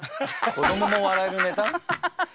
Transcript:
子どもも笑えるネタ？